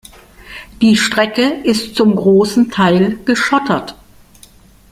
Die Strecke ist zum großen Teil geschottert.